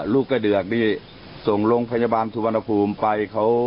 ลูกกระเดือกนี่ส่งโรงพยาบาลสุวรรณภูมิไป